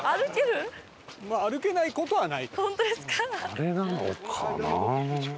あれなのかな？